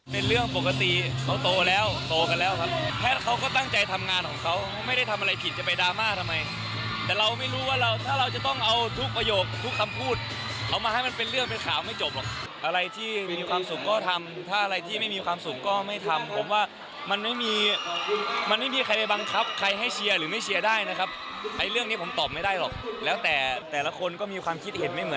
เป็นเรื่องปกติเขาโตแล้วโตกันแล้วครับแพทเขาก็ตั้งใจทำงานของเขาไม่ได้ทำอะไรผิดจะไปดราม่าทำไมแต่เราไม่รู้ว่าเราถ้าเราจะต้องเอาทุกประโยคทุกคำพูดเอามาให้มันเป็นเรื่องเป็นข่าวไม่จบหรอกอะไรที่มีความสุขก็ทำถ้าอะไรที่ไม่มีความสุขก็ไม่ทำผมว่ามันไม่มีมันไม่มีใครบังคับใครให้เชียร์หรือไม่เชียร์ได้นะครับไอ้เร